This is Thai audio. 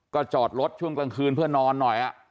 ก็จอดรถช่วงกลางคืนเพื่อนอนหน่อย